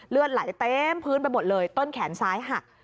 เลือดไหลเต็มพื้นไปหมดเลยต้นแขนซ้ายหัก